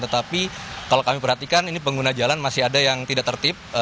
tetapi kalau kami perhatikan ini pengguna jalan masih ada yang tidak tertib